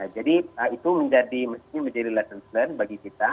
jadi itu menjadi lesson learned bagi kita